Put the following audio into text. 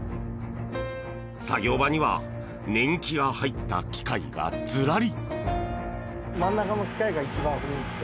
作業場には年季が入った機械がずらり。